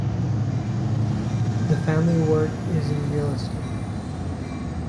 The family work is in real estate.